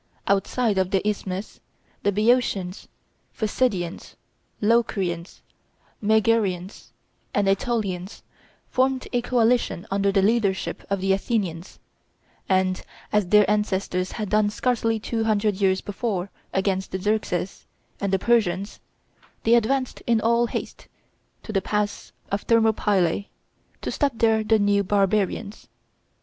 Outside the isthmus, the Beeotians, Phocidians, Locrians, Megarians, and AEtolians formed a coalition under the leadership of the Athenians; and, as their ancestors had done scarcely two hundred years before against Xerxes and the Persians, they advanced in all haste to the pass of Thermopylae, to stop there the new barbarians.